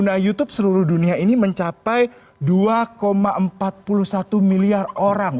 nah youtube seluruh dunia ini mencapai dua empat puluh satu miliar orang